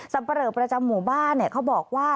สัมประหลักประจำหมู่บ้านเขาบอกว่า